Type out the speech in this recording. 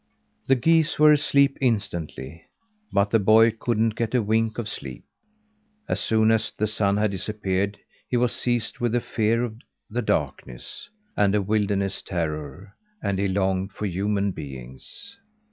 The geese were asleep instantly; but the boy couldn't get a wink of sleep. As soon as the sun had disappeared he was seized with a fear of the darkness, and a wilderness terror, and he longed for human beings.